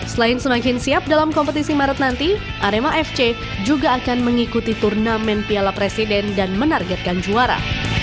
selain semakin siap dalam kompetisi maret nanti arema fc juga akan mengikuti turnamen piala presiden dan menargetkan juara